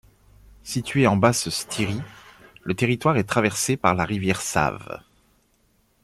Situé en Basse-Styrie, le territoire est traversé par la rivière Save.